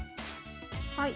はい。